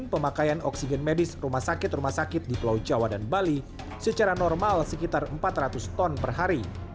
pemakaian oksigen medis rumah sakit rumah sakit di pulau jawa dan bali secara normal sekitar empat ratus ton per hari